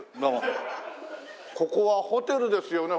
ここはホテルですよね？